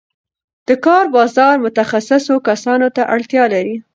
د کار بازار متخصصو کسانو ته اړتیا لري.